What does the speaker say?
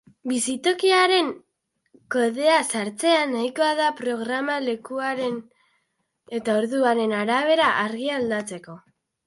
Bizitokiaren kodea sartzea nahiko da programak lekuaren eta orduaren arabera argia aldatzeko.